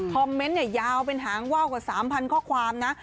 คอมเมนต์ยาวเป็นหางว่าวกว่า๓๐๐๐ข้อความนะ